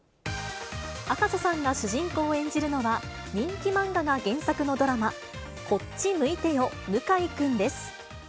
赤楚さんが主人公を演じるのは人気漫画が原作のドラマ、こっち向いてよ向井くんです。